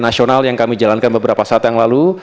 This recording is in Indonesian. nasional yang kami jalankan beberapa saat yang lalu